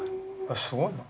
すごいな。